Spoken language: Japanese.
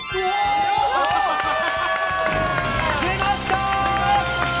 出ました！